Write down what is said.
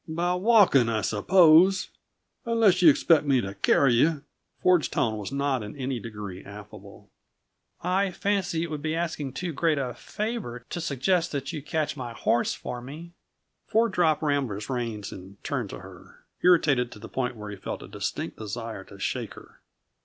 "By walking, I suppose unless you expect me to carry you." Ford's tone was not in any degree affable. "I fancy it would be asking too great a favor to suggest that you catch my horse for me?" Ford dropped Rambler's reins and turned to her, irritated to the point where he felt a distinct desire to shake her.